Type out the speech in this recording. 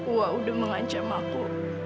wak udah mengancam aku